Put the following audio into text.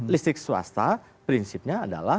listrik swasta prinsipnya adalah